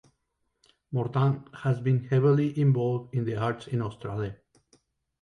Mordant has been heavily involved in The Arts in Australia.